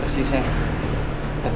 apa yang lu buat